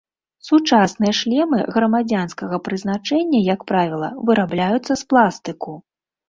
Сучасныя шлемы грамадзянскага прызначэння, як правіла, вырабляюцца з пластыку.